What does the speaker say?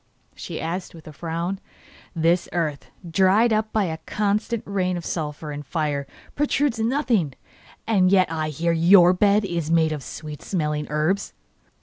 she asked, with a frown. 'This earth, dried up by a constant rain of sulphur and fire, produces nothing, yet I hear that YOUR bed is made of sweet smelling herbs.